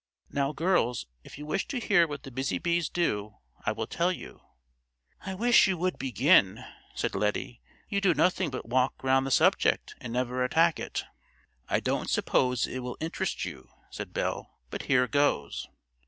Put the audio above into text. Now, girls, if you wish to hear what the busy bees do, I will tell you." "I wish you would begin," said Lettie; "you do nothing but walk round the subject and never attack it." "I don't suppose it will interest you," said Belle; "but here goes.